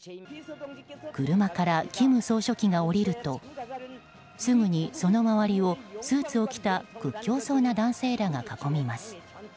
車から金総書記が降りるとすぐにその周りをスーツを着た屈強そうな男性らが囲みます。